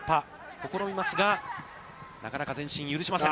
試みますが、なかなか前進を許しません。